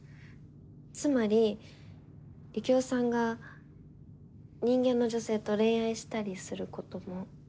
つまりユキオさんが人間の女性と恋愛したりすることも？